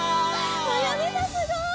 まやおねえさんすごい！